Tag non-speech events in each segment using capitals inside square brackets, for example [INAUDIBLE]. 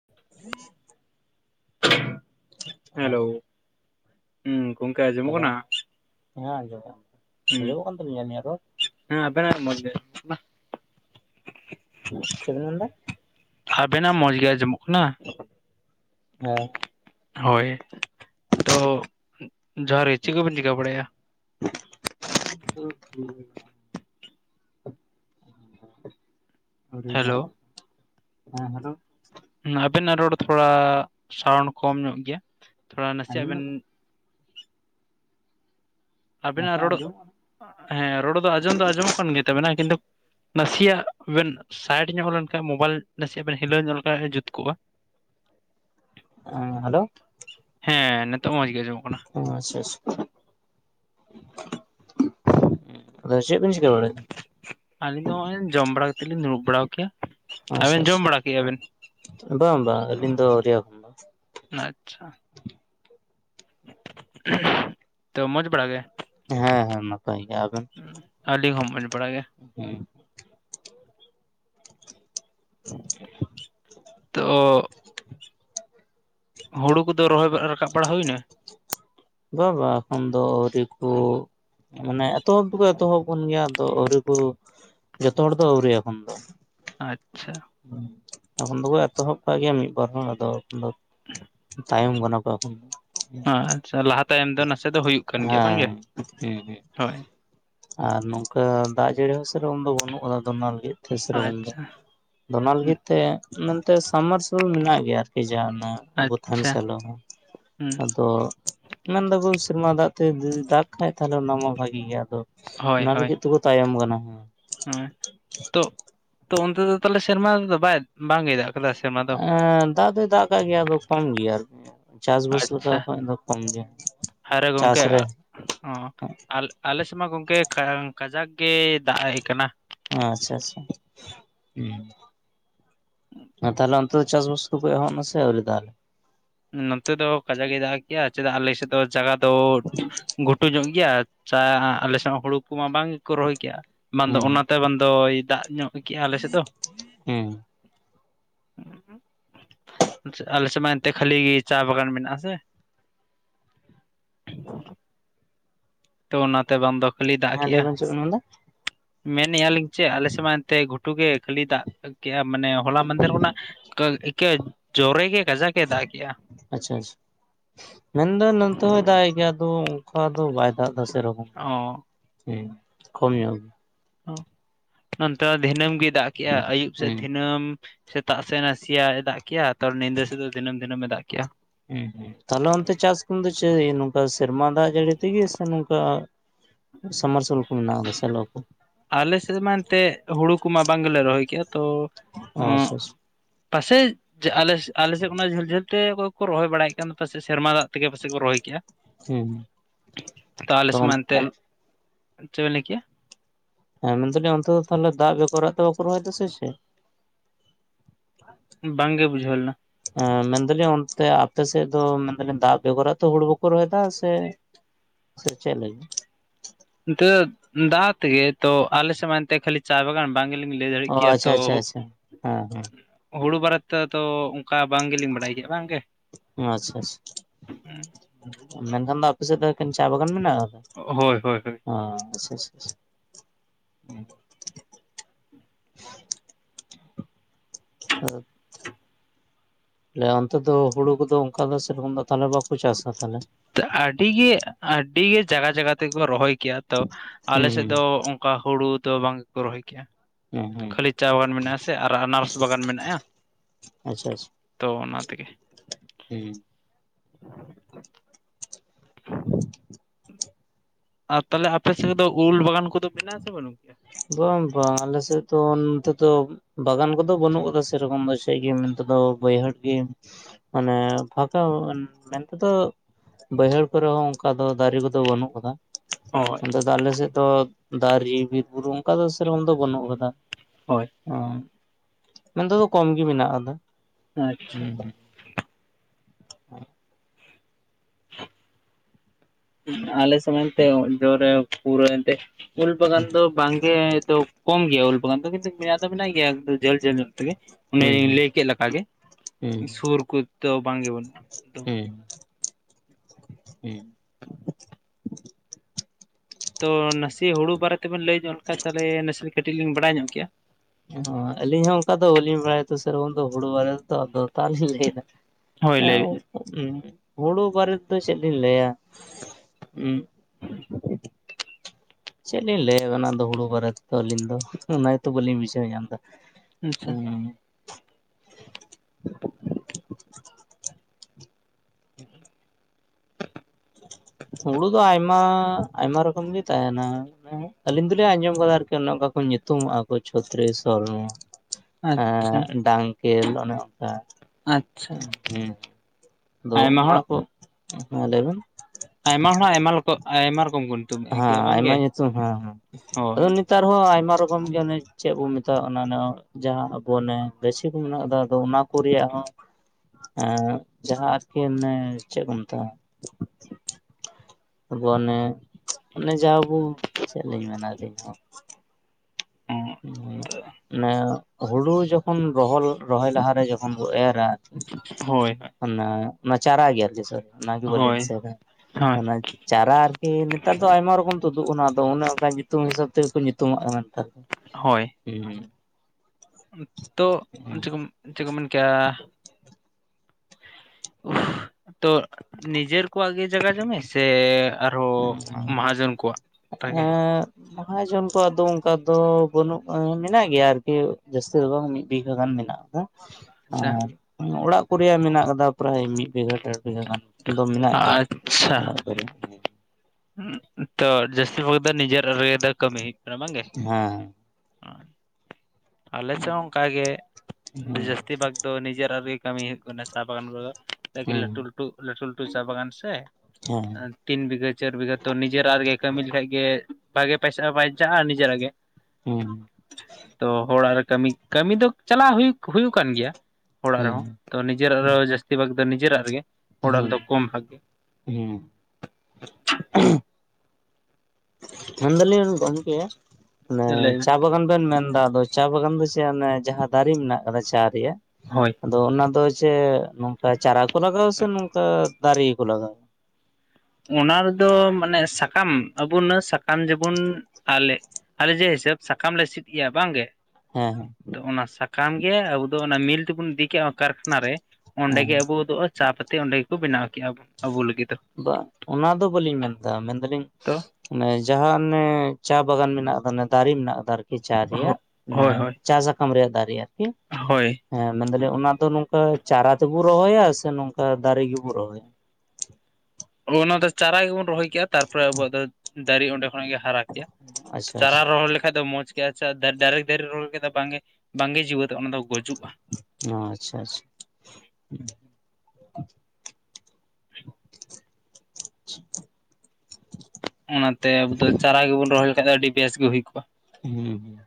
[INAUDIBLE] Hello ᱦᱩᱸ ᱜᱚᱝᱠᱮ ᱟᱸᱡᱚᱢᱚᱜ ᱦᱮᱞᱳ ᱠᱟᱱᱟ ᱦᱮᱸ ᱟᱸᱡᱚᱢ ᱦᱮᱸ᱾ ᱟᱸᱡᱚᱢᱚᱜ ᱠᱟᱱ ᱛᱟᱹᱞᱤᱧᱟ ᱟᱹᱞᱤᱧᱟᱜ ᱨᱚᱲ ᱦᱮᱸ ᱟᱵᱮ ᱱᱟᱜ ᱦᱟ ᱢᱚᱡᱽ ᱜᱮ᱾ ᱪᱮᱫ ᱵᱤᱱ ᱢᱮᱱᱫᱟ᱾ ᱟᱵᱮᱱᱟᱜ ᱢᱚᱡᱽ ᱜᱮ ᱟᱸᱡᱚᱢᱚᱜ ᱠᱟᱱᱟ᱾ ᱦᱮᱸ ᱦᱳᱭ ᱛᱚ ᱡᱚᱦᱟᱨ ᱜᱮ ᱪᱮᱫ ᱠᱚᱵᱤᱱ ᱪᱤᱠᱟᱹ ᱵᱟᱲᱟᱭᱮᱜᱟ? [INAUDIBLE] [INAUDIBLE] ᱦᱮᱞᱳ ᱦᱮᱸ ᱦᱮᱞᱳ ᱟᱵᱮᱱᱟᱜ ᱨᱚᱲ ᱛᱷᱚᱲᱟ ᱥᱟᱣᱩᱱᱰ ᱠᱚᱢ ᱧᱚᱜ ᱜᱮᱭᱟ ᱛᱷᱚᱲᱟ ᱱᱟᱥᱮ ᱭᱟᱜ ᱟᱸᱡᱚᱢ ᱵᱮᱱ ᱫᱟᱵᱮᱱ ᱟᱵᱤᱱᱟᱜ ᱱᱤᱛᱚᱜ ᱨᱚᱲ ᱟᱸᱡᱚᱢᱚᱜ ᱦᱮᱸ ᱨᱚᱲ ᱫᱚ ᱟᱸᱡᱚᱢ ᱫᱚ ᱟᱸᱡᱚᱢᱚᱜ ᱠᱟᱱ ᱜᱮ ᱛᱟᱵᱤᱱᱟ ᱠᱤᱱᱛᱩ ᱱᱟᱥᱤᱭᱟᱜ ᱵᱮᱱ ᱥᱟᱭᱤᱴ ᱧᱚᱜ ᱞᱮᱱᱠᱷᱟᱱ ᱢᱳᱵᱟᱭᱤᱞ ᱱᱟᱥᱮᱭᱟᱜ ᱵᱮᱱ ᱦᱤᱞᱟᱹᱣ ᱧᱚᱜ ᱞᱮᱱᱠᱷᱟᱱ ᱡᱩᱛ ᱠᱚᱜᱼᱟ᱾ ᱦᱮᱸ ᱦᱮᱞᱳ, ᱦᱮᱸ ᱱᱤᱛᱚᱜ ᱢᱚᱸᱡᱽ ᱜᱮ ᱟᱸᱡᱚᱢᱚᱜ ᱠᱟᱱᱟ ᱚ ᱟᱪᱪᱷᱟ ᱟᱪᱪᱷᱟ᱾ ᱟᱫᱚ ᱪᱮᱫ ᱵᱤᱱ ᱪᱤᱠᱟᱹ ᱵᱟᱲᱟᱭᱫᱟ? ᱟᱹᱞᱤᱧ ᱫᱚ ᱦᱚᱸᱜᱼᱚᱭ ᱡᱚᱢ ᱵᱟᱲᱟ ᱠᱟᱛᱮᱫ ᱞᱤᱧ ᱫᱩᱲᱩᱵ ᱵᱟᱲᱟᱣ ᱠᱮᱭᱟ᱾ ᱟᱪᱪᱷᱟ ᱟᱵᱮᱱ ᱟᱪᱪᱷᱟ, ᱡᱚᱢ ᱵᱟᱲᱟ ᱠᱮᱜᱼᱟ ᱵᱮᱱ ᱵᱟᱝ ᱵᱟᱝ ᱟᱹᱞᱤᱧ ᱫᱚ [INAUDIBLE] ᱟᱪᱪᱷᱟ᱾ ᱛᱚ ᱢᱚᱡᱽ ᱵᱟᱲᱟ ᱜᱮ? ᱦᱮᱸ ᱦᱮᱸ ᱱᱟᱯᱟᱭ ᱜᱮ ᱟᱵᱮᱱ? ᱟᱹᱞᱤᱧ ᱦᱚᱸ ᱢᱚᱸᱡᱽ ᱵᱟᱲᱟ ᱜᱮ ᱦᱩᱸ᱾ ᱛᱚ ᱦᱩᱲᱩ ᱠᱚᱫᱚ ᱨᱚᱦᱚᱭ ᱵᱟ ᱨᱟᱠᱟᱵ ᱵᱟᱲᱟ ᱦᱩᱭᱱᱟ? ᱵᱟ ᱵᱟ ᱮᱠᱷᱚᱱ ᱫᱚ ᱟᱹᱣᱨᱤ ᱠᱚ ᱢᱟᱱᱮ ᱮᱛᱚᱦᱚᱵ ᱫᱚᱠᱚ ᱮᱛᱚᱦᱚᱵ ᱠᱚᱱ ᱜᱮᱭᱟ ᱟᱫᱚ ᱟᱹᱣᱨᱤ ᱠᱚ, ᱡᱚᱛᱚ ᱦᱚᱲ ᱫᱚ ᱟᱹᱣᱨᱤ ᱮᱠᱷᱚᱱ ᱫᱚ᱾ ᱟᱪᱪᱷᱟ᱾ ᱮᱠᱷᱚᱱ ᱫᱚᱠᱚ ᱮᱛᱚᱦᱚᱵ ᱠᱟᱜ ᱜᱮᱭᱟ ᱢᱤᱫᱵᱟᱨ ᱦᱚᱲ ᱟᱫᱚ ᱫᱚ᱾ ᱛᱟᱭᱚᱢ ᱠᱟᱱᱟ ᱠᱚ ᱮᱠᱷᱚᱱ ᱫᱚ, ᱟᱪᱪᱷᱟ ᱞᱟᱦᱟ ᱛᱟᱭᱚᱢ ᱫᱚ ᱱᱟᱥᱮ ᱫᱚ ᱦᱩᱭᱩᱜ ᱠᱟᱱ ᱦᱩᱸ᱾ ᱜᱮᱭᱟ ᱦᱮᱸ, ᱵᱟᱝᱜᱮ ᱦᱩᱸ ᱦᱩᱸ᱾ ᱦᱳᱭ ᱟᱨ ᱱᱚᱝᱠᱟ ᱫᱟᱜ ᱡᱟᱹᱲᱤ ᱦᱚᱸ ᱥᱮᱨᱚᱠᱚᱢ ᱫᱚ ᱵᱟᱹᱱᱩᱜ ᱟᱠᱟᱫᱟ ᱟᱫᱚ ᱚᱱᱟ ᱞᱟᱹᱜᱤᱫ ᱛᱮ ᱥᱮᱨᱚᱠᱚᱢ ᱫᱚ ᱟᱪᱪᱷᱟ ᱟᱫᱚ ᱚᱱᱟ ᱦᱩᱸ, ᱞᱟᱹᱜᱤᱫ ᱛᱮ ᱱᱚᱱᱛᱮ ᱥᱟᱢ ᱢᱟᱨᱥᱟᱞ ᱢᱮᱱᱟᱜ ᱜᱮᱭᱟ ᱟᱨᱠᱤ ᱡᱟᱦᱟᱱᱟᱜ ᱟᱵᱚ ᱛᱟᱦᱮᱱ ᱟᱪᱪᱷᱟ ᱥᱮᱞᱚ ᱦᱚᱸ ᱦᱩᱸ ᱟᱫᱚ ᱢᱮᱱ ᱫᱟᱠᱚ ᱥᱮᱨᱢᱟ ᱫᱟᱜ ᱛᱮ ᱡᱩᱫᱤ ᱫᱟᱜ ᱠᱷᱟᱡ ᱛᱟᱞᱦᱮ ᱚᱱᱟ ᱢᱟ ᱵᱷᱟᱜᱤ ᱜᱮ ᱟᱫᱚ, ᱦᱳᱭ ᱚᱱᱟ ᱦᱳᱭ ᱞᱟᱹᱜᱤᱫ ᱛᱮᱠᱚ ᱛᱟᱭᱚᱢ ᱠᱟᱱᱟ ᱦᱮᱸ᱾ ᱦᱳᱭ ᱛᱚ, ᱛᱚ ᱚᱱᱛᱮ ᱫᱚ ᱛᱟᱞᱦᱮ ᱥᱮᱨᱢᱟ ᱫᱟᱜ ᱫᱚ ᱵᱟᱭ ᱵᱟᱝ ᱜᱮ ᱫᱟᱜ ᱠᱟᱫᱟ ᱥᱮᱨᱢᱟ ᱫᱚ ᱮ ᱫᱟᱜ ᱫᱚᱭ ᱫᱟᱜ ᱟᱠᱟᱜ ᱜᱮᱭᱟ ᱟᱫᱚ ᱠᱚᱢ ᱜᱮᱭᱟ ᱟᱨᱠᱤ᱾ ᱪᱟᱥᱵᱟᱥ ᱞᱮᱠᱟ ᱟᱪᱪᱷᱟ ᱠᱷᱚᱡ ᱫᱚ ᱠᱚᱢ ᱜᱮᱭᱟ, ᱪᱟᱥ ᱨᱮ ᱚᱞ ᱟᱞ ᱟᱞᱮ ᱥᱮᱫ ᱢᱟ ᱜᱚᱝᱠᱮ ᱠᱟ ᱠᱟᱡᱟᱠ ᱜᱮᱭ ᱫᱟᱜ ᱮᱜ ᱠᱟᱱᱟ᱾ ᱟᱪᱪᱷᱟ ᱟᱪᱪᱷᱟ ᱦᱩᱸ᱾ ᱟᱨ ᱛᱟᱦᱚᱞᱮ ᱚᱱᱛᱮ ᱫᱚ ᱪᱟᱥᱵᱟᱥ ᱠᱚᱯᱮ ᱮᱦᱚᱵ ᱱᱟ ᱥᱮ ᱟᱹᱣᱨᱤ ᱫ ᱛᱟᱦᱚᱞᱮ? ᱱᱚᱛᱮ ᱫᱚ ᱠᱟᱡᱟᱠᱮ ᱫᱟᱜ ᱠᱮᱜ-ᱟ ᱪᱮᱫᱟᱜ ᱟᱞᱮ ᱥᱮᱫ ᱫᱚ ᱡᱟᱜᱟ ᱫᱚ ᱜᱷᱩᱴᱩ ᱧᱚᱜ ᱜᱮᱭᱟ ᱪᱟ ᱟᱞᱮ ᱥᱮᱫ ᱢᱟ ᱦᱩᱲᱩ ᱠᱚᱢᱟ ᱵᱟᱝ ᱠᱚ ᱨᱚᱦᱚᱭ ᱜᱮᱭᱟ᱾ ᱵᱟᱝᱫᱚ ᱦᱩᱸ ᱚᱱᱟᱛᱮ ᱵᱟᱝᱫᱚ ᱫᱟᱜ ᱧᱚᱜ ᱠᱮᱜᱼᱟ ᱟᱞᱮ ᱥᱮᱫ ᱫᱚ᱾ ᱦᱩᱸ ᱟᱞᱮ ᱥᱮᱫ ᱢᱟ ᱮᱱᱛᱮ ᱠᱷᱟᱹᱞᱤ ᱜᱮ ᱪᱟ ᱵᱟᱜᱟᱱ ᱢᱮᱱᱟᱜ-ᱟ ᱥᱮ᱾ ᱛᱚ ᱚᱱᱟᱛᱮ ᱵᱟᱝᱫᱚ ᱠᱷᱟᱹᱞᱤ ᱫᱟᱜ ᱦᱮᱸ ᱠᱮᱜᱼᱟ᱾ ᱞᱟᱹᱭᱵᱮᱱ ᱪᱮᱫ ᱵᱮᱱ ᱢᱮᱱᱫᱟ ᱢᱮᱱᱮᱜᱼᱟ ᱞᱤᱧ ᱪᱮᱫ ᱟᱞᱮ ᱥᱮᱫ ᱢᱟ ᱮᱱᱛᱮᱫ ᱜᱷᱩᱴᱩ ᱜᱮ ᱠᱷᱟᱹᱞᱤ ᱫᱟᱜ ᱠᱮᱜᱼᱟ ᱢᱟᱱᱮ ᱦᱚᱞᱟ ᱢᱫᱷᱮᱨ ᱠᱷᱚᱱᱟᱜ ᱠᱟ ᱮᱠᱮ ᱡᱚᱨᱮ ᱜᱮ ᱠᱟᱡᱟᱠ-ᱮ ᱫᱟᱜ ᱠᱮᱜᱼᱟ᱾ ᱟᱪᱪᱷᱟ ᱟᱪᱪᱷᱟ, ᱢᱮᱱᱫᱟ ᱱᱚᱱᱛᱮ ᱦᱚᱸᱭ ᱫᱟᱜ ᱮᱫ ᱜᱮᱭᱟ ᱟᱫᱚ ᱚᱱᱠᱟ ᱫᱚ ᱵᱟᱭ ᱫᱟᱜ ᱫᱟ ᱥᱮᱨᱚᱠᱚᱢ᱾ ᱫᱚ ᱚ᱾ ᱦᱮᱸ ᱠᱚᱢ ᱧᱚᱜ ᱜᱮ᱾ ᱚ ᱱᱚᱱᱛᱮ ᱫᱚ ᱫᱤᱱᱟᱹᱢ ᱜᱮ ᱫᱟᱜ ᱠᱮᱜᱼᱟ ᱟᱹᱭᱩᱵ ᱥᱮᱫ ᱦᱩᱸ ᱫᱷᱤᱱᱟᱹᱢ ᱥᱮᱛᱟᱜ ᱥᱮᱫ ᱱᱟᱥᱮᱭᱟᱜ ᱮ ᱫᱟᱜ ᱠᱮᱜ-ᱟ ᱛᱚ ᱱᱤᱫᱟᱹ ᱥᱮᱫ ᱫᱚ ᱫᱤᱱᱟᱹᱢ ᱫᱤᱱᱟᱹᱢᱮ ᱫᱟᱜ ᱠᱮᱜ-ᱟ᱾ ᱦᱩᱸ ᱦᱩᱸ ᱛᱟᱦᱞᱮ ᱚᱱᱛᱮ ᱪᱟᱥ ᱠᱚᱱ ᱫᱚ ᱪᱮᱫ ᱱᱚᱝᱠᱟ ᱥᱮᱨᱢᱟ ᱫᱟᱜ ᱡᱟᱹᱲᱤ ᱛᱮᱜᱮ ᱥᱮ ᱱᱚᱝᱠᱟ ᱥᱟᱢ ᱢᱟᱨᱥᱟᱞ ᱠᱚ ᱢᱮᱱᱟᱣ ᱫᱟ ᱥᱮᱞᱚ ᱠᱚ? ᱟᱞᱮ ᱥᱮᱫ ᱢᱟ ᱮᱱᱛᱮᱫ ᱦᱩᱲᱩ ᱠᱚᱢᱟ ᱵᱟᱝ ᱜᱮᱞᱮ ᱨᱚᱦᱚᱭ ᱠᱮᱜᱼᱟ ᱛᱚ ᱚ ᱮᱸ ᱟᱪᱪᱷᱟ ᱟᱪᱪᱷᱟ ᱯᱟᱥᱮᱡ ᱟᱞ ᱟᱞᱮ ᱥᱮᱫ ᱠᱷᱚᱱᱟ ᱡᱷᱟᱹᱞ ᱡᱷᱟᱹᱞ ᱛᱮ ᱚᱠᱚᱭ ᱠᱚ ᱨᱚᱦᱚᱭ ᱵᱟᱲᱟᱭᱮᱫ ᱠᱟᱱ ᱫᱚ ᱯᱟᱥᱮᱜ ᱥᱮᱨᱢᱟ ᱫᱟᱜ ᱛᱮᱜᱮ ᱯᱟᱥᱮᱡ ᱠᱚ ᱨᱚᱭ ᱠᱮᱜᱼᱟ? ᱦᱩᱸ ᱛᱚ ᱟᱞᱮ ᱥᱮᱫ ᱮᱱᱛᱮ, ᱦᱩᱸ ᱪᱮᱫ ᱵᱮᱱ ᱞᱮᱭ ᱠᱮᱜ-ᱟ? ᱦᱮᱸ ᱢᱮᱱ ᱫᱟᱞᱤᱧ ᱚᱱᱛᱮ ᱫᱚ ᱛᱟᱦᱞᱮ ᱫᱟᱜ [UNINTELLIGIBLE] ᱛᱮ ᱵᱟᱠᱚ ᱨᱚᱦᱚᱭ ᱫᱟ ᱥᱮ ᱪᱮᱫ? ᱵᱟᱝ ᱜᱮ ᱵᱩᱡᱷᱟᱹᱣ ᱞᱮᱱᱟ᱾ ᱮᱸ ᱢᱮᱱᱫᱟᱞᱤᱧ ᱚᱱᱛᱮ ᱟᱯᱮ ᱥᱮᱜ ᱫᱚ ᱢᱮᱱᱫᱟᱞᱤᱧ ᱫᱟᱜ ᱵᱮᱜᱚᱨᱟ ᱛᱚ ᱦᱩᱲᱩ ᱵᱟᱠᱚ ᱨᱚᱦᱚᱭᱫᱟ ᱥᱮ᱾ ᱥᱮ ᱪᱮᱜ ᱞᱟᱹᱜᱤᱜ᱾ ᱱᱤᱛᱟᱹᱜ ᱫᱟᱜ ᱛᱮᱜᱮ ᱛᱚ ᱟᱞᱮ ᱥᱮᱜ ᱢᱟ ᱮᱱᱛᱮᱜ ᱠᱷᱟᱞᱤ ᱪᱟ ᱵᱟᱜᱟᱱ ᱵᱟᱝ ᱜᱮ ᱢᱤᱞᱟᱹ ᱫᱟᱲᱤᱜ ᱚ ᱠᱮᱭᱟ ᱟᱪᱪᱷᱟ ᱛᱚ᱾ ᱟᱪᱪᱷᱟ ᱟᱪᱪᱷᱟ ᱦᱮᱸ ᱦᱩᱲᱩ ᱵᱟᱨᱮᱛᱮ ᱛᱚ ᱚᱝᱠᱟ ᱵᱟᱝ ᱜᱮᱞᱤᱧ ᱵᱟᱲᱟᱭ ᱜᱮᱭᱟ ᱵᱟᱝ ᱜᱮ᱾ ᱦᱮᱸ ᱟᱪᱪᱷᱟ ᱟᱪᱪᱷᱟ ᱢᱮᱱᱠᱷᱟᱱ ᱫᱚ ᱚᱯᱮ ᱥᱮᱫ ᱫᱚ ᱮᱠᱮᱱ ᱪᱟ ᱵᱟᱜᱟᱱ ᱢᱮᱱᱟᱜ ᱟᱛᱚ᱾ ᱦᱳᱭ ᱦᱳᱭ ᱦᱳᱭ᱾ ᱚ ᱟᱪᱪᱷᱟ ᱟᱪᱪᱷᱟ ᱩᱸ᱾ [UNINTELLIGIBLE] ᱛᱟᱞᱦᱮ ᱚᱱᱛᱮ ᱫᱚ ᱦᱩᱲᱩ ᱠᱚᱫᱚ ᱚᱱᱠᱟ ᱫᱚ ᱥᱮᱨᱚᱠᱚᱢ ᱫᱚ ᱛᱟᱞᱦᱮ ᱵᱟᱠᱩ ᱪᱟᱥᱟ ᱛᱟᱞᱦᱮ᱾ ᱛᱚ ᱟᱰᱤ ᱜᱮ ᱟᱰᱤ ᱜᱮ ᱡᱟᱭᱜᱟ ᱡᱟᱭᱜᱟ ᱛᱮᱜᱮ ᱠᱚ ᱨᱚᱦᱚᱭ ᱠᱮᱭᱟ ᱛᱚ ᱟᱞᱮ ᱥᱮᱫ ᱫᱚ ᱚ ᱠᱟ ᱦᱳᱲᱩ ᱫᱚ ᱵᱟᱝ ᱜᱮᱠᱚ ᱨᱚᱦᱚᱭ ᱠᱮᱭᱟ᱾ ᱦᱩᱸ ᱦᱩᱸ ᱠᱷᱟᱹᱞᱤ ᱪᱟ ᱵᱟᱜᱟᱱ ᱢᱮᱱᱟᱜ-ᱥᱮ ᱟᱨ ᱟᱱᱟᱨᱥ ᱵᱟᱜᱟᱱ ᱢᱮᱱᱟᱭ-ᱟ᱾ ᱟᱪᱪᱷᱟ ᱟᱪᱪᱷᱟ ᱛᱮᱜᱮ ᱦᱩᱸ᱾ [INAUDIBLE] ᱟᱨ ᱛᱟᱦᱞᱮ ᱟᱯᱮ ᱥᱮᱜ ᱠᱚᱫᱚ ᱩᱞ ᱵᱟᱜᱟᱱ ᱠᱚᱫᱚ ᱢᱮᱱᱟᱜ ᱟᱥᱮ ᱵᱟᱱᱩᱜ᱾ ᱵᱟᱝ ᱵᱟᱝ ᱟᱞᱮ ᱥᱮᱜ ᱛᱚ ᱱᱚᱛᱮ ᱛᱚ᱾ ᱵᱟᱜᱟᱱ ᱠᱚᱫᱚ ᱵᱟᱹᱱᱩᱜ ᱠᱟᱫᱟ ᱥᱮᱨᱚᱠᱚᱢ ᱫᱚ ᱪᱮᱜ ᱜᱤ ᱢᱮᱱᱛᱮ ᱫᱚ ᱵᱟᱹᱭᱦᱟᱹᱲ ᱜᱤ᱾ ᱢᱟᱱᱮ ᱯᱷᱟᱠᱟ ᱢᱮᱱ ᱛᱮᱫᱚ᱾ ᱵᱟᱹᱭᱦᱟᱹᱲ ᱠᱚᱨᱮ ᱦᱚᱸ ᱚᱝᱠᱟ ᱫᱚ ᱫᱟᱨᱤ ᱠᱚᱫᱚ ᱵᱟᱹᱱᱩᱜ ᱠᱟᱫᱟ᱾ ᱦᱳᱭ ᱚᱱᱰᱮ ᱫᱚ ᱟᱞᱮ ᱥᱮᱫ ᱫᱚ ᱫᱟᱨᱤ ᱵᱤᱨ ᱵᱩᱨᱩ ᱚᱝᱠᱟ ᱫᱚ ᱥᱮᱨᱚᱠᱚᱢ ᱫᱚ ᱵᱟᱹᱱᱩᱜ ᱠᱟᱫᱟ᱾ ᱦᱳᱭ᱾ ᱚᱸ ᱱᱚᱱᱛᱮ ᱫᱚ ᱠᱚᱢ ᱜᱤ ᱢᱮᱱᱟᱜ ᱠᱟᱫᱟ᱾ ᱦᱩᱸ ᱟᱪᱪᱷᱟ᱾ ᱦᱩᱸ ᱟᱞᱮ ᱥᱮᱜ ᱢᱟ ᱦᱤᱛᱟᱹᱜ ᱡᱚᱨᱮ ᱯᱩᱨᱟᱹᱣ ᱮᱱᱛᱮ ᱩᱞ ᱵᱟᱜᱟᱱ ᱫᱚ ᱵᱟᱝᱜᱮ ᱟᱫᱚ ᱠᱚᱢ ᱜᱮᱭᱟ ᱩᱞ ᱵᱟᱜᱟᱱ ᱫᱚ ᱠᱤᱱᱛᱩ ᱢᱮᱱᱟᱜ ᱫᱚ ᱢᱮᱱᱟᱜ ᱜᱮᱭᱟ᱾ ᱡᱷᱟᱹᱞ ᱡᱷᱟᱹᱞ ᱧᱚᱜ ᱛᱮᱜᱮ ᱚᱱᱮ ᱦᱩᱸ ᱞᱤᱧ ᱦᱩᱸ ᱞᱟᱹᱭ ᱠᱮᱜ ᱞᱮᱠᱟᱜᱮ᱾ ᱦᱩᱸ ᱥᱩᱨ ᱠᱩᱡᱽᱛᱚ ᱵᱟᱝᱜᱮ ᱵᱟᱹᱱᱩᱜ-ᱟ᱾ ᱦᱩᱸ ᱦᱩᱸ ᱛᱚ ᱱᱟᱥᱮ ᱦᱳᱲᱩ ᱵᱟᱨᱮ ᱛᱮᱵᱮᱱ ᱞᱟᱹᱭ ᱧᱚᱜ ᱞᱮ ᱠᱷᱟᱡᱽ, ᱛᱟᱞᱦᱮ ᱱᱟᱥᱮ ᱠᱟᱹᱴᱤᱡ ᱞᱤᱧ ᱵᱟᱰᱟᱭ ᱧᱚᱜ ᱠᱮᱭᱟ᱾ ᱟᱫᱚ ᱟᱹᱞᱤᱧ ᱦᱚᱸ ᱚᱝᱠᱟ ᱫᱚ ᱵᱟᱹᱞᱤᱧ ᱵᱟᱲᱟᱭᱟᱛᱚ ᱥᱮᱨᱚᱠᱢ ᱫᱚ, ᱦᱩᱲᱩ ᱵᱟᱨᱮ ᱛᱮᱫᱚ ᱟᱫᱚ ᱛᱟᱦᱚᱞᱤᱧ ᱞᱟᱹᱭᱫᱟ᱾ ᱦᱳᱭ ᱦᱮᱸ ᱞᱟᱹᱭ ᱩᱸ ᱵᱤᱱ᱾ ᱦᱩᱲᱩ ᱵᱟᱨᱮ ᱛᱮᱫᱚ ᱪᱮᱜ ᱞᱤᱧ ᱞᱟᱹᱭᱟ ᱩᱸ [INAUDIBLE] ᱪᱮᱜ ᱞᱤᱧ ᱞᱟᱹᱭᱟ ᱟᱵᱮᱱᱟ? ᱟᱫᱚ ᱦᱩᱲᱩ ᱵᱟᱨᱮ ᱛᱮᱫᱚ ᱟᱹᱞᱤᱧ ᱫᱚ ᱚᱱᱟᱜᱮᱛᱚ ᱵᱟᱞᱤᱧ ᱵᱩᱡᱷᱟᱹᱣ ᱧᱟᱢ ᱮᱫᱟ᱾ ᱟᱪᱪᱷᱟ᱾ ᱦᱩᱸ [UNINTELLIGIBLE] ᱦᱩᱲᱩ ᱫᱚ ᱟᱭᱢᱟ ᱟᱭᱢᱟ ᱨᱚᱠᱚᱢ ᱜᱤ ᱛᱟᱦᱮᱱᱟ᱾ ᱟᱞᱤᱧ ᱫᱩᱞᱤᱧ ᱟᱸᱡᱚᱢ ᱠᱟᱫᱟ ᱟᱨᱠᱤ, ᱚᱱᱮ ᱚᱝᱠᱟ ᱠᱚ ᱧᱩᱛᱩᱢᱟᱜ-ᱟ ᱠᱚ ᱪᱷᱚᱛᱨᱤ ᱥᱚᱨᱱᱚ᱾ ᱟᱪᱪᱷᱟ ᱮᱸ ᱰᱟᱝᱠᱮᱞ ᱚᱱᱮ ᱚᱝᱠᱟ ᱟᱪᱪᱷᱟ ᱦᱩᱸ᱾ ᱫᱚ ᱟᱭᱢᱟ ᱚᱱᱟ ᱦᱚᱲ ᱠᱚ ᱦᱮᱸ ᱞᱟᱹᱭ ᱵᱤᱱ᱾ ᱟᱭᱢᱟ ᱦᱚᱲᱟᱜ ᱟᱭᱢᱟ ᱞᱚᱠᱚ ᱟᱭᱢᱟ ᱨᱚᱠᱚᱢ ᱠᱚ ᱧᱩᱛᱩᱢᱮ-ᱟ ᱦᱮᱸ ᱠᱤᱭᱟᱹ ᱵᱟᱝᱜᱮ? ᱦᱳᱭ᱾ ᱛᱟᱨᱮᱦᱚ ᱟᱭᱢᱟ ᱨᱚᱠᱚᱢ ᱜᱮ ᱚᱱᱮ ᱪᱮᱜ ᱵᱚ ᱢᱮᱛᱟᱣᱟᱜ ᱚᱱᱮ ᱚᱱᱟ ᱡᱟᱦᱟᱸ ᱟᱵᱚ ᱚᱱᱮ ᱜᱟᱪᱷᱤ ᱠᱩ ᱢᱮᱱᱟᱜ ᱠᱟᱫᱟ ᱟᱫᱚ ᱚᱱᱟ ᱠᱚ ᱨᱮᱭᱟᱜ ᱦᱚᱸ ᱮᱸ ᱡᱟᱦᱟᱸ ᱟᱨᱠᱤ ᱮᱱᱮ ᱪᱮᱜ ᱠᱚ ᱢᱮᱛᱟᱜᱼᱟ? ᱟᱫᱚ ᱚᱱᱮ ᱚᱱᱮ ᱡᱟᱦᱟ ᱵᱩ ᱪᱮᱜ ᱞᱤᱧ ᱢᱮᱱᱟ? ᱟᱹᱞᱤᱧ ᱦᱚᱸ ᱢᱟᱱᱮ ᱦᱩᱲᱩ ᱡᱚᱠᱷᱚᱱ ᱨᱚᱦᱚᱞ ᱨᱚᱦᱚᱭ ᱞᱟᱦᱟᱨᱮ ᱡᱚᱠᱷᱚᱱ ᱵᱚ ᱮᱨᱟ ᱦᱳᱭ ᱚᱱᱟ ᱚᱱᱟ ᱪᱟᱨᱟ ᱜᱮ ᱟᱨ ᱛᱤᱥᱚᱜ ᱚᱱᱟ ᱜᱮ ᱵᱟᱹᱞᱤᱧ ᱦᱳᱭ ᱫᱤᱥᱟᱹᱭ ᱮᱫᱟ᱾ ᱦᱳᱭ ᱪᱟᱨᱟ ᱟᱨᱠᱤ ᱱᱮᱛᱟᱨ ᱫᱚ ᱟᱭᱢᱟ ᱨᱚᱠᱚᱢ ᱛᱩᱫᱩᱜ ᱚᱱᱟ ᱫᱚ ᱚᱱᱮ ᱚᱱᱠᱟ ᱧᱩᱛᱩᱢ ᱦᱤᱥᱟᱹᱵ ᱛᱮᱜᱮ ᱠᱚ ᱧᱩᱛᱩᱢᱟᱜᱼᱟ ᱱᱮᱛᱟᱨ ᱫᱚ᱾ ᱦᱳᱭ ᱦᱩᱸ ᱛᱚ ᱦᱩᱸ ᱪᱮᱠᱚ ᱪᱮᱜ ᱠᱚ ᱢᱮᱱ ᱠᱮᱭᱟ? [INAUDIBLE] ᱛᱚ ᱱᱤᱡᱮᱨ ᱠᱚᱣᱟᱜ ᱜᱮ ᱡᱟᱜᱟ ᱡᱚᱢᱤ ᱥᱮ ᱟᱨᱦᱚ ᱦᱩᱸ ᱢᱟᱦᱟᱡᱚᱱ ᱠᱚᱣᱟᱜ ᱨᱮᱜᱮ᱾ ᱢᱟᱦᱟᱸᱡᱚᱱ ᱠᱚᱣᱟᱜᱼᱫᱚ ᱚᱱᱠᱟ ᱫᱚ ᱵᱟᱹᱱᱩᱜ ᱟ, ᱢᱮᱱᱟᱜ ᱜᱮᱭᱟ ᱟᱨᱠᱤ ᱡᱟᱹᱥᱛᱤ ᱫᱚ ᱵᱟᱝ ᱢᱤᱜ ᱵᱤᱜᱷᱟᱹ ᱜᱟᱱ ᱢᱮᱱᱟᱜ ᱟᱥᱮ᱾ ᱟᱪᱪᱷᱟ ᱟᱨ ᱚᱲᱟᱜ ᱠᱚᱨᱮᱭᱟ ᱢᱮᱱᱟᱜ ᱟᱠᱟᱫᱟ, ᱯᱨᱟᱭ ᱢᱤᱜ ᱵᱤᱜᱷᱟᱹ ᱰᱮᱲ ᱵᱤᱜᱟᱹ ᱜᱟᱱ᱾ ᱫᱚ ᱢᱮᱱᱟᱜ ᱜᱮᱭᱟ ᱟᱪᱪᱷᱟ ᱚᱲᱟᱜ ᱠᱚᱨᱮ, ᱛᱚ ᱡᱟᱹᱥᱛᱤ ᱵᱟ. ᱛ ᱫᱚ ᱱᱤᱡᱮᱨᱟᱜ [INAUDIBLE] ᱠᱟᱹᱢᱤ ᱦᱳᱭᱳᱜ ᱠᱟᱱᱟ ᱵᱟᱝ ᱜᱮ? ᱦᱮᱸ ᱟᱞᱮ ᱥᱮ ᱦᱚᱸ ᱚᱝᱠᱟ ᱜᱮ ᱦᱮᱸ ᱡᱟᱹᱥᱛᱤ ᱵᱟᱜ ᱫᱚ ᱱᱤᱡᱮᱨᱟᱜ ᱨᱮᱜᱮ ᱠᱟᱹᱢᱤ ᱦᱩᱭᱩᱜ ᱠᱟᱱᱟ, ᱪᱟ ᱵᱟᱜᱟᱱ ᱠᱚᱫᱚ ᱪᱟᱠᱤ ᱦᱮᱸ ᱞᱟᱴᱩ ᱞᱟᱴᱩ ᱞᱟᱹᱴᱩ ᱞᱟᱹᱴᱩ ᱪᱟ ᱵᱟᱜᱟᱱ ᱥᱮ᱾ ᱦᱮᱸ ᱛᱤᱱ ᱵᱤᱜᱟᱹ ᱪᱟᱹᱨ ᱵᱤᱜᱟᱹ ᱛᱚ ᱱᱤᱡᱮᱨᱟᱜ ᱨᱮᱜᱮ ᱠᱟᱹᱢᱤ ᱞᱮᱠᱷᱟᱡ ᱜᱮ ᱵᱷᱟᱜᱮ ᱯᱟᱭᱥᱟ ᱵᱟᱧᱪᱟᱜᱼᱟ, ᱱᱤᱡᱮᱨᱟᱜ ᱜᱮ ᱦᱩᱸ ᱛᱚ ᱦᱚᱲᱟᱜ ᱨᱮ ᱠᱟᱹᱢᱤ, ᱠᱟᱹᱢᱤ ᱫᱚ ᱪᱟᱞᱟᱜ ᱦᱩᱭᱩᱜ ᱦᱩᱭᱩ ᱠᱟᱱ ᱜᱮᱭᱟ ᱚᱲᱟᱜ ᱦᱮᱸ ᱨᱮᱦᱚᱸ, ᱛᱚ ᱱᱤᱡᱮᱨᱟᱜ ᱨᱮ ᱦᱚ ᱡᱟᱹᱥᱛᱤ ᱵᱷᱟᱜᱽ ᱫᱚ ᱱᱤᱡᱮᱨᱟᱜ ᱨᱮᱜᱮ᱾ ᱦᱚᱲᱟᱜ ᱨᱮᱫᱚ ᱠᱚᱢ ᱵᱷᱟᱜᱮ᱾ ᱦᱩᱸ ᱢᱮᱱᱫᱟᱞᱤᱧ ᱜᱚᱝᱠᱮ ᱢᱟᱱᱮ ᱛᱟᱦᱞᱮ ᱪᱟ ᱵᱟᱜᱟᱱ ᱵᱤᱱ ᱢᱮᱱᱫᱟ ᱟᱫᱚ ᱪᱟ ᱵᱟᱜᱟᱱ ᱫᱚ ᱪᱮ ᱚᱱᱮ ᱡᱟᱸᱦᱟᱸ ᱫᱟᱨᱤ ᱢᱮᱱᱟᱜ ᱟᱠᱟᱫᱟ ᱪᱟ ᱨᱮᱭᱟᱜ ᱦᱳᱭ ᱫᱚ ᱚᱱᱟ ᱫᱚ ᱪᱮ ᱱᱚᱝᱠᱟ ᱪᱟᱨᱟ ᱠᱚ ᱞᱟᱜᱟᱣᱟ, ᱥᱮ ᱱᱚᱝᱠᱟ ᱫᱟᱨᱮ ᱜᱮ ᱠᱚ ᱞᱟᱜᱟᱣᱟ᱾ ᱚᱱᱟ ᱨᱮᱫᱚ ᱢᱟᱱᱮ ᱥᱟᱠᱟᱢ ᱟᱵᱩ ᱚᱱᱟ ᱥᱟᱠᱟᱢ ᱡᱮᱵᱚᱱ ᱟᱞᱮ ᱟᱞᱮ ᱡᱮ ᱦᱤᱥᱟᱹᱵᱽ ᱥᱟᱠᱟᱢ ᱞᱮ ᱥᱤᱫ ᱜᱮᱭᱟ ᱵᱟᱝ ᱜᱮ ᱦᱮᱸ ᱦᱮᱸ ᱛᱚ ᱚᱱᱟ ᱥᱟᱠᱟᱢ ᱜᱮ ᱟᱵᱚ ᱫᱚ ᱚᱱᱟ ᱢᱤᱞ ᱛᱮᱵᱚᱱ ᱤᱫᱤ ᱠᱮᱜᱼᱟ ᱠᱟᱨᱠᱷᱟᱱᱟ ᱨᱮ ᱚᱸᱰᱮ ᱦᱮᱸ ᱜᱮ ᱟᱵᱚ ᱫᱚ ᱪᱟ ᱯᱟᱹᱛᱤ ᱚᱸᱰᱮ ᱜᱮᱠᱚ ᱵᱮᱱᱟᱣ ᱠᱮᱜᱼᱟ ᱟᱵᱚ ᱞᱟᱹᱜᱤᱫ ᱫᱚ᱾ ᱵᱟᱝ ᱚᱱᱟ ᱫᱚ ᱵᱟᱹᱞᱤᱧ ᱢᱮᱱᱫᱟ ᱢᱮᱱ ᱫᱟᱤᱧ ᱛᱚ ᱡᱟᱸᱦᱟᱸ ᱟᱱᱮ ᱪᱟ ᱵᱟᱜᱟᱱ ᱢᱮᱱᱟᱜ ᱠᱟᱫᱟ ᱫᱟᱨᱮ ᱢᱮᱱᱟᱜ ᱠᱟᱫᱟ ᱟᱨᱠᱤ᱾ ᱪᱟ ᱨᱮᱭᱟᱜ ᱚᱱᱮ ᱦᱳᱭ ᱦᱳᱭ ᱪᱟ ᱥᱟᱠᱟᱢ ᱨᱮᱭᱟᱜ ᱫᱟᱨᱮ ᱟᱨᱠᱤ᱾ ᱦᱳᱭ ᱦᱮᱸ ᱢᱮᱱᱫᱟᱞᱤᱧ ᱚᱱᱟ ᱫᱚ ᱱᱚᱝᱠᱟ ᱪᱟᱨᱟ ᱛᱮᱵᱚ ᱨᱚᱦᱚᱭᱟ ᱥᱮ ᱱᱚᱝᱠᱟ ᱫᱟᱨᱮ ᱜᱮᱵᱚ ᱨᱚᱦᱚᱭᱟ᱾ [INAUDIBLE] ᱚᱱᱟ ᱫᱚ ᱪᱟᱨᱟ ᱜᱮᱵᱚᱱ ᱨᱚᱦᱚᱭ ᱠᱮᱜᱼᱟ ᱛᱟᱨᱯᱚᱨᱮ ᱟᱵᱚᱣᱟᱜ ᱫᱚ ᱫᱟᱨᱮ ᱚᱸᱰᱮ ᱠᱷᱚᱱᱟᱜ ᱜᱮ ᱦᱟᱨᱟ ᱠᱮᱭᱟ, ᱟᱪᱪᱷᱟ ᱪᱟᱨᱟ ᱟᱪᱪᱷᱟ ᱨᱚᱦᱚᱭ ᱞᱮᱠᱷᱟᱡ ᱫᱚ ᱢᱚᱡᱽ ᱟᱪᱪᱷᱟ ᱰᱟᱭᱨᱮᱠ ᱫᱟᱨᱮ ᱨᱚᱦᱚᱭ ᱞᱮᱠᱷᱟᱱ ᱵᱟᱝ ᱜᱮ ᱵᱟᱝ ᱜᱮ ᱡᱮᱣᱮᱫᱚᱜᱼᱟ ᱚᱱᱟ ᱫᱚ ᱜᱩᱡᱩᱜᱼᱟ᱾ ᱚ ᱟᱪᱪᱷᱟ ᱟᱪᱪᱷᱟ᱾ ᱚᱱᱟ ᱛᱮ ᱟᱵᱩ ᱫᱚ ᱪᱟᱨᱟ ᱜᱮᱵᱚ ᱨᱚᱦᱚᱭ ᱞᱮᱠᱷᱟᱱᱡ ᱫᱚ ᱟᱹᱰᱤ ᱵᱮᱥ ᱜᱮ ᱦᱩᱭ ᱠᱚᱜᱼᱟ᱾ ᱦᱩᱸ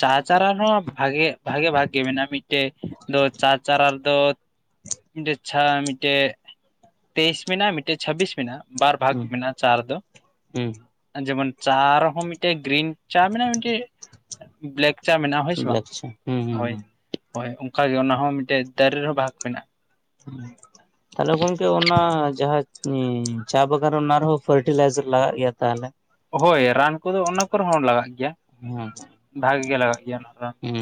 ᱪᱟ ᱪᱟᱨᱟ ᱦᱚᱸ ᱵᱷᱟᱜᱮ ᱵᱷᱟᱜᱮ ᱵᱷᱟᱜ ᱜᱮ ᱢᱮᱱᱟᱜᱼᱟ ᱢᱤᱫᱴᱮᱡ ᱫᱚ ᱪᱟ ᱪᱟᱨᱟ ᱟᱫᱚ ᱢᱤᱫ ᱪᱷᱟ ᱢᱤᱫᱴᱮᱡ ᱛᱮᱭᱤᱥ ᱢᱮᱱᱟᱜᱼᱟ ᱢᱤᱫᱴᱮᱱ ᱪᱷᱟᱵᱵᱤᱥ ᱢᱮᱱᱟᱜᱼᱟ᱾ ᱵᱟᱨ ᱵᱷᱟᱜᱽ ᱢᱮᱱᱟᱜᱼᱟ ᱪᱟ ᱨᱮ ᱫᱚ᱾ ᱦᱩᱸ ᱡᱮᱢᱚᱱ ᱪᱟ ᱨᱮᱦᱚᱸ ᱢᱤᱫᱴᱮᱡ ᱜᱨᱤᱱ ᱪᱟ ᱢᱮᱱᱟᱜᱼᱟ, ᱢᱤᱫᱴᱮᱡ ᱵᱞᱮᱠ ᱪᱟ ᱢᱮᱱᱟᱜᱼᱟ, ᱦᱳᱭ ᱦᱩᱸ ᱥᱮ ᱵᱟᱝ? ᱵᱞᱮᱠ ᱪᱟ ᱦᱩᱸ ᱦᱩᱸ ᱦᱳᱭ᱾ ᱦᱩᱸ ᱦᱳᱭ ᱚᱱᱠᱟᱜ ᱜᱮ ᱚᱱᱟ ᱦᱚᱸ ᱢᱤᱫᱴᱮᱡ ᱫᱟᱨᱮ ᱨᱮᱦᱚᱸ ᱵᱷᱟᱜᱽ ᱢᱮᱱᱟᱜᱼᱟ᱾ ᱦᱩ ᱛᱟᱦᱞᱮ ᱜᱚᱝᱠᱮ ᱚᱱᱟ ᱡᱟᱦᱟᱸ ᱪᱟ ᱵᱟᱜᱟᱱ ᱚᱱᱟ ᱨᱮᱦᱚᱸ ᱯᱷᱟᱨᱴᱤᱞᱟᱭᱡᱟᱨ ᱞᱟᱜᱟᱜ ᱜᱮᱭᱟ ᱛᱟᱦᱞᱮ᱾ ᱦᱳᱭ ᱨᱟᱱ ᱠᱚᱫᱚ ᱚᱱᱟ ᱠᱚᱨᱮ ᱦᱚᱸ ᱞᱟᱜᱟᱜ ᱜᱮᱭᱟ᱾ ᱦᱩᱸ ᱵᱷᱟᱜᱮ ᱜᱮ ᱞᱟᱜᱟᱜ ᱜᱮᱭᱟ ᱚᱱᱟ ᱨᱟᱱ ᱠᱚᱫᱚ᱾ ᱦᱩᱸ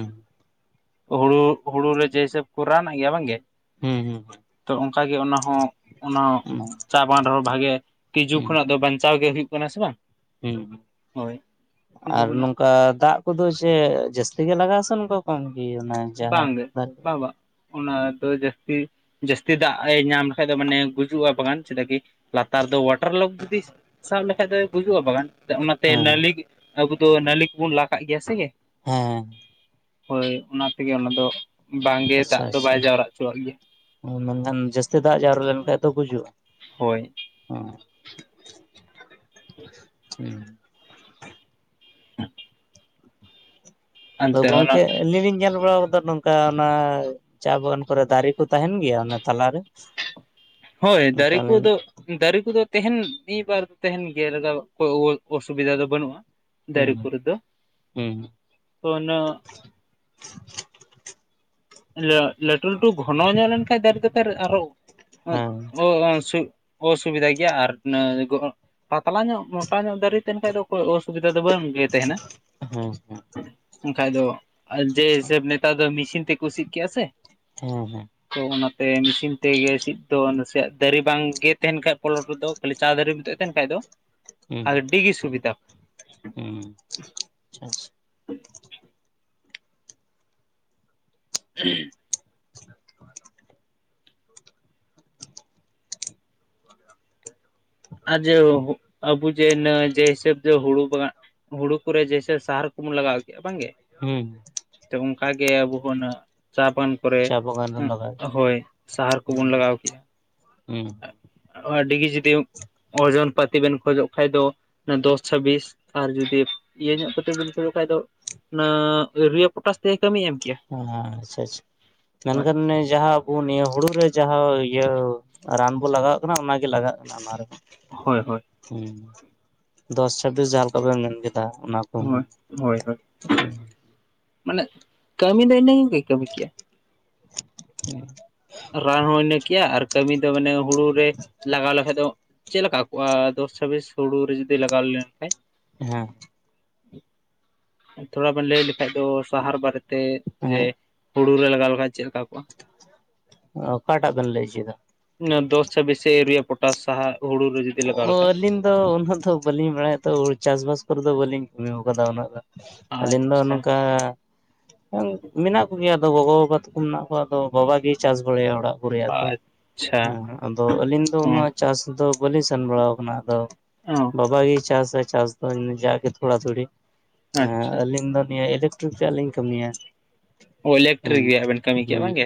ᱦᱳᱲᱳ ᱦᱳᱲᱳ ᱨᱮ ᱡᱮ ᱦᱤᱥᱟᱹᱵ ᱠᱚ ᱨᱟᱱ ᱟᱜ ᱜᱮᱭᱟ, ᱵᱟᱝᱜᱮ? ᱦᱩᱸ ᱦᱩᱸ ᱛᱚ ᱚᱱᱠᱟᱜᱮ ᱚᱱᱟᱦᱚᱸ ᱚᱱᱟ ᱦᱩᱸ ᱪᱟ ᱵᱟᱜᱟᱱ ᱨᱮᱦᱚᱸ ᱵᱷᱟᱜᱮ ᱛᱤᱡᱩ ᱠᱷᱚᱱᱟᱜ ᱫᱚ ᱵᱟᱧᱪᱟᱣ ᱜᱮ ᱦᱩᱭᱩᱜ ᱠᱟᱱᱟ, ᱥᱮ ᱵᱟᱝ? ᱦᱮᱸ ᱦᱳᱭ ᱛᱤᱡᱩ ᱟᱨ ᱠᱷᱚᱱᱟᱜ ᱱᱚᱝᱠᱟ ᱫᱟᱜ ᱠᱚᱫᱚ ᱪᱮᱫ ᱡᱟᱹᱥᱛᱤ ᱜᱮ ᱞᱟᱜᱟᱜᱼᱟ ᱥᱮ ᱱᱚᱝᱠᱟ ᱵᱟᱝ ᱜᱮ ᱚᱱᱟ ᱡᱟᱦᱟᱸ ᱵᱟᱝᱜᱮ [UNINTELLIGIBLE] ᱵᱟᱝ ᱵᱟᱝ ᱚᱱᱟ ᱫᱚ ᱡᱟᱹᱥᱛᱤ ᱡᱟᱹᱥᱛᱤ ᱫᱟᱜ ᱮ ᱧᱟᱢ ᱞᱮᱠᱷᱟᱡ ᱫᱚ ᱢᱟᱱᱮ ᱜᱩᱡᱩᱜᱼᱟ ᱵᱟᱜᱟᱱ, ᱪᱮᱫᱟᱜ ᱠᱤ ᱞᱟᱛᱟᱨ ᱫᱚ ᱚᱣᱟᱴᱟᱨ ᱞᱚᱠ ᱡᱩᱫᱤ ᱥᱟᱵ ᱞᱮᱠᱷᱟᱡ ᱫᱚᱭ ᱜᱩᱡᱩᱜᱼᱟ ᱵᱟᱜᱟᱱ ᱚᱱᱟᱛᱮ ᱦᱮᱸ ᱱᱟᱹᱞᱤ ᱟᱵᱚ ᱫᱚ ᱱᱟᱹᱞᱤ ᱠᱚᱵᱚᱱ ᱞᱟ ᱠᱟᱜ ᱜᱮᱭᱟ ᱥᱮ᱾ ᱦᱮᱸ ᱦᱮᱸ ᱦᱳᱭ ᱚᱱᱟ ᱛᱮᱜᱮ ᱚᱱᱟ ᱫᱚ ᱵᱟᱝᱜᱮ ᱟᱪᱪᱷᱟ ᱫᱟᱜ ᱫᱚ ᱟᱪᱪᱷᱟ ᱵᱟᱭ ᱡᱟᱣᱨᱟ ᱦᱚᱪᱚᱣᱟᱜ ᱜᱮᱭᱟ᱾ ᱢᱮᱱᱠᱷᱟᱱ ᱡᱟᱹᱥᱛᱤ ᱫᱟᱜ ᱡᱟᱣᱨᱟ ᱞᱮᱱᱠᱷᱟᱡ ᱫᱚ ᱜᱩᱡᱩᱜᱼᱟ᱾ ᱦᱳᱭ [UNINTELLIGIBLE] [INAUDIBLE] ᱟᱫᱚ ᱮᱱᱛᱮ ᱚᱱᱟ ᱜᱚᱝᱠᱮ, ᱟᱹᱞᱤᱧ ᱞᱤᱧ ᱧᱮᱞ ᱵᱟᱲᱟ ᱠᱟᱫᱟ ᱱᱚᱝᱠᱟ ᱚᱱᱟ ᱪᱟ ᱵᱟᱜᱟᱱ ᱠᱚᱨᱮ ᱫᱟᱨᱮ ᱠᱚ ᱛᱟᱦᱮᱱ ᱜᱮᱭᱟ, ᱚᱱᱟ ᱛᱟᱞᱟᱨᱮ᱾ ᱦᱳᱭ ᱫᱟᱨᱮ ᱚᱱᱠᱟᱞᱤᱧ ᱠᱚᱫᱚ, ᱫᱟᱨᱮ ᱠᱚᱫᱚ ᱛᱟᱦᱮᱱ ᱢᱤᱫ ᱵᱟᱨ ᱛᱟᱦᱮᱱ ᱜᱮᱭᱟ, ᱞᱮᱠᱟ ᱚᱥᱩᱵᱤᱫᱟ ᱫᱚ ᱵᱟᱹᱱᱩᱜᱼᱟ᱾ ᱫᱟᱨᱮ ᱦᱩᱸ ᱠᱚᱨᱮ ᱫᱚ, ᱦᱩᱸ ᱛᱚ ᱚᱱᱟ [UNINTELLIGIBLE] ᱞᱟᱹᱴᱩ ᱞᱟᱹᱴᱩ ᱜᱷᱚᱱᱚ ᱧᱚᱜ ᱞᱮᱱᱠᱷᱟᱡ ᱫᱟᱨᱮ ᱫᱚ [UNINTELLIGIBLE] ᱟᱨᱚ ᱦᱮᱸ ᱚᱥᱩᱵᱤᱫᱷᱟ ᱜᱮᱭᱟ ᱟᱨ ᱤᱱᱟᱹ ᱜᱚᱨᱚ ᱯᱟᱛᱞᱟ ᱧᱚᱜ ᱢᱚᱴᱟ ᱧᱚᱜ ᱫᱟᱨᱤ ᱛᱮᱦᱮᱱ ᱠᱷᱟᱡ ᱫᱚ ᱚᱠᱚᱭ ᱚᱥᱵᱤᱛᱟ ᱫᱚ ᱵᱟᱹᱝ᱾ ᱦᱮᱸ ᱦᱮᱸ᱾ ᱵᱟᱝ ᱠᱷᱟᱡ ᱫᱚ ᱡᱮ ᱦᱤᱥᱟᱹᱵ ᱱᱮᱛᱟᱨ ᱫᱚ ᱢᱤᱥᱤᱱ ᱛᱮ ᱠᱩ ᱥᱤᱫ ᱠᱮᱫ-ᱟ ᱥᱮ᱾ ᱦᱮᱸ ᱦᱮᱸ᱾ ᱛᱚ ᱚᱱᱟᱛᱮ ᱢᱤᱥᱤᱱ ᱛᱮᱜᱮ ᱥᱤᱫ ᱫᱚ ᱱᱟᱥᱮᱭᱟᱜ ᱫᱟᱨᱤ ᱵᱟᱝᱜᱮ ᱛᱮᱦᱮᱱ ᱠᱷᱟᱡ ᱯᱚᱞᱚᱴ ᱫᱚ ᱠᱷᱟᱹᱞᱤ ᱪᱟ ᱫᱟᱨᱤ ᱢᱚᱛᱚᱡ ᱛᱮᱦᱮᱱ ᱠᱷᱟᱡ ᱫᱚ, ᱦᱮᱸ ᱦᱮᱸ ᱟᱹᱰᱤᱜᱮ ᱥᱩᱵᱤᱛᱟ᱾ ᱦᱩᱸ ᱟᱪᱪᱷᱟ᱾ [UNINTELLIGIBLE] [INAUDIBLE] [UNINTELLIGIBLE] ᱟᱹᱵᱩᱡ ᱡᱮ ᱡᱮ ᱦᱤᱥᱟᱹᱵ ᱫᱚ ᱦᱩᱲᱩ [UNINTELLIGIBLE] ᱦᱩᱲᱩ ᱠᱚᱨᱮ ᱡᱮ ᱦᱤᱥᱟᱵ ᱥᱟᱨ ᱠᱚᱵᱚᱱ ᱞᱟᱜᱟᱣ ᱜᱮᱭᱟ᱾ ᱵᱟᱝᱜᱮ? ᱦᱩᱸ᱾ ᱚᱱᱠᱟ ᱜᱮ ᱟᱵᱩ ᱦᱩᱱᱟᱹᱜ ᱪᱟ ᱵᱟᱱ ᱯᱚᱨᱮ ᱪᱟ ᱵᱟᱜᱟᱱ ᱨᱮ ᱦᱩᱸ ᱞᱟᱜᱟᱜ ᱦᱳᱭ ᱥᱟᱦᱟᱨ ᱦᱩᱸ ᱠᱚᱵᱚᱱ ᱞᱟᱜᱟᱣ ᱠᱮᱜ-ᱟ᱾ ᱦᱩᱸ᱾ ᱟᱹᱰᱤᱜᱮ ᱡᱩᱫᱤ ᱳᱡᱚᱱ ᱯᱟᱹᱛᱤ ᱵᱮᱱ ᱠᱷᱚᱡᱚᱜ ᱠᱷᱟᱱ ᱫᱚ᱾ ᱚᱱᱟ ᱫᱚᱥ ᱪᱷᱟᱵᱤᱥ ᱟᱨ ᱡᱩᱫᱤ ᱤᱭᱟᱹ ᱧᱚᱜ ᱠᱟᱛᱮ ᱵᱮᱱ ᱠᱷᱚᱡᱚᱜ ᱠᱷᱟᱡ ᱫᱚ ᱚᱱᱟ ᱤᱨᱤᱭᱟ ᱯᱚᱴᱟᱥ ᱛᱮᱜᱮ ᱠᱟᱹᱢᱤ ᱮᱢ ᱠᱮᱭᱟ᱾ ᱦ ᱟᱪᱪᱷᱟ ᱟᱪᱪᱷᱟ, ᱦᱳᱭ ᱢᱮᱱᱠᱷᱟᱱ ᱡᱟᱦᱟᱸ ᱟᱵᱚ ᱱᱤᱭᱟᱹ ᱦᱩᱲᱩ ᱨᱮ ᱡᱟᱦᱟᱸ ᱤᱭᱟᱹ ᱨᱟᱱ ᱵᱚ ᱞᱟᱜᱟᱣᱟᱜ ᱠᱟᱱᱟ, ᱚᱱᱟᱜᱮ ᱞᱟᱜᱟᱜ ᱠᱟᱱᱟ ᱚᱱᱟ ᱨᱮᱦᱚᱸ᱾ ᱦᱳᱭ ᱦᱳᱭ᱾ ᱦᱩᱸ, ᱫᱚᱥ ᱪᱷᱟᱵᱤᱥ ᱡᱟᱦᱟᱸ ᱞᱮᱠᱟ ᱵᱮᱱ ᱢᱮᱱ ᱠᱮᱫᱟ ᱚᱱᱟ ᱦᱳᱭ, ᱠᱚᱦᱚᱸ ᱦᱳᱭ ᱦᱳᱭ ᱦᱮᱸ ᱢᱟᱱᱮ ᱠᱟᱹᱢᱤ ᱫᱚ ᱤᱱᱟᱹ ᱠᱚᱜᱮ ᱠᱟᱹᱢᱤ ᱠᱮᱜᱼᱟ᱾ [UNINTELLIGIBLE] ᱨᱟᱱ ᱦᱚᱸ ᱤᱱᱟᱹ ᱠᱮᱭᱟ, ᱟᱨ ᱠᱟᱹᱢᱤ ᱫᱚ ᱢᱟᱱᱮ ᱦᱩᱲᱩ ᱨᱮ ᱞᱟᱜᱟᱣ ᱞᱮᱠᱷᱟᱡ ᱫᱚ ᱪᱮᱫ ᱞᱮᱠᱟ ᱠᱚᱜᱼᱟ ᱫᱚᱥ ᱪᱷᱟᱵᱤᱥ ᱦᱩᱲᱩ ᱨᱮ ᱡᱩᱫᱤ ᱞᱟᱜᱟᱣ ᱞᱮᱱ ᱠᱷᱟᱡ? ᱦᱮᱸ᱾ ᱛᱷᱚᱲᱟ ᱵᱮᱱ ᱞᱟᱹᱭ ᱞᱮᱠᱷᱟᱡ ᱫᱚ, ᱥᱟᱦᱟᱨ ᱵᱟᱨᱮᱛᱮ ᱡᱮ ᱦᱮᱸ ᱦᱩ ᱦᱩ ᱨᱮ ᱞᱟᱜᱟᱣ ᱞᱮᱠᱷᱟᱡ ᱪᱮᱫ ᱞᱮᱠᱟ ᱠᱚᱼᱟ? ᱚ ᱚᱠᱟᱴᱟᱜ ᱵᱮᱱ ᱞᱟᱹᱭ ᱦᱚᱪᱚᱭᱮᱫᱟ? ᱚᱱᱟ ᱫᱚᱥ ᱪᱷᱟᱵᱤᱥ ᱥᱮ ᱤᱫᱤᱭᱟ ᱯᱚᱴᱟᱥ ᱥᱟᱦᱟ, ᱦᱩᱲᱩ ᱨᱮ ᱡᱚᱫᱤ ᱞᱟᱜᱟᱣ ᱞᱮᱠᱷᱟᱡ? ᱚ ᱟᱹᱞᱤᱧ ᱫᱚ ᱩᱱᱟᱹᱜ ᱫᱚ ᱵᱟᱹᱞᱤᱧ ᱵᱟᱲᱟᱭᱟ ᱛᱚ, ᱦᱩ ᱪᱟᱥᱵᱟᱥ ᱠᱚᱨᱮ ᱫᱚ ᱵᱟᱹᱞᱤᱧ ᱠᱟᱹᱢᱤᱣ ᱠᱟᱫᱟ ᱩᱱᱟᱹᱜ ᱫᱚ᱾ ᱟᱞᱤᱧ ᱫᱚ ᱟᱪᱪᱷᱟ ᱚᱱᱠᱟ ᱢᱮᱱᱟᱜ ᱠᱚᱜᱮᱭᱟ ᱟᱫᱚ ᱜᱚᱜᱚ ᱵᱟᱵᱟ ᱛᱟᱠᱚ ᱢᱮᱱᱟᱜ ᱠᱚᱣᱟ, ᱟᱫᱚ ᱵᱟᱵᱟ ᱜᱮᱭ ᱪᱟᱥ ᱵᱟᱲᱟᱭᱟ ᱚᱲᱟᱜ ᱠᱚ ᱨᱮᱭᱟᱜ ᱫᱚ, ᱟᱪᱪᱷᱟ ᱦᱮᱸ ᱟᱫᱚ ᱟᱹᱞᱤᱧ ᱫᱚ ᱚ ᱱᱚᱣᱟ ᱪᱟᱥ ᱫᱚ ᱵᱟᱹᱞᱤᱧ ᱥᱮᱱ ᱵᱟᱲᱟᱣ ᱠᱟᱱᱟ ᱟᱫᱚ, ᱚ ᱵᱟᱵᱟᱜᱮᱭ ᱪᱟᱥᱟ ᱪᱟᱥ ᱫᱚ ᱡᱟ ᱜᱮ ᱛᱷᱚᱲᱟ ᱛᱷᱩᱲᱤ᱾ ᱦᱮᱸ ᱟᱪᱪᱷᱟ ᱟᱹᱞᱤᱧ ᱫᱚ ᱱᱤᱭᱟᱹ ᱤᱞᱮᱠᱴᱨᱤᱠ ᱨᱮᱭᱟᱜ ᱞᱤᱧ ᱠᱟᱹᱢᱤᱭᱟ᱾ ᱚ ᱦᱮᱸ ᱤᱞᱮᱴᱨᱤᱠ ᱨᱮᱭᱟᱜ ᱵᱮᱱ ᱠᱟᱹᱢᱤ ᱠᱮᱼᱟ ᱦᱮᱸ ᱵᱟᱝᱜᱮ?